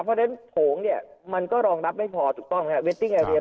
เพราะฉะนั้นโผงเนี้ยมันก็รองรับไม่พอถูกต้องนะครับ